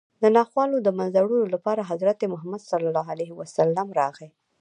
د ناخوالو د منځه وړلو لپاره حضرت محمد صلی الله علیه وسلم راغی